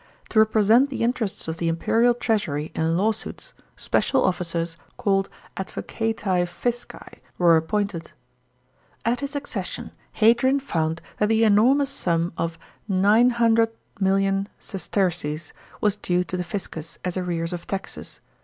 To represent the interests of the imperial treasury in law suits, special officers, called advocati fisci, were appointed. At his accession Hadrian found that the enormous sum of 900,000,000 sestercesf was due to the fiscus, as arrears of taxes.